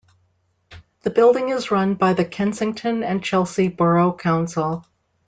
The building is run by the Kensington and Chelsea Borough Council.